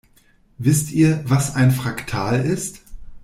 Wisst ihr, was ein Fraktal ist?